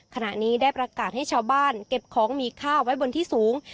ขณะนี้ได้ประกาศให้ชาวบ้านเก็บของมีค่าไว้บนที่สูง